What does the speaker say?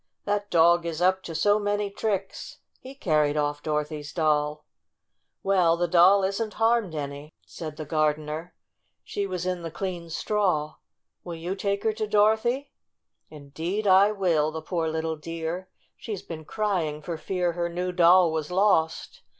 That dog is up to so many tricks. He carried off Dorothy's doll !" "Well, the doll isn't harmed any," said 76 STORY OF A SAWDUST DOLL the gardener. "She was in the clean straw. Will you take her to Dorothy ?" "Indeed I will, the poor little dear! She's been crying for fear her new doll was lost.